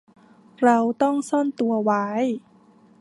เราต้องซ่อนตัวไว้